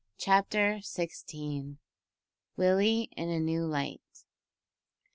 CHAPTER SIXTEEN. WILLIE IN A NEW LIGHT.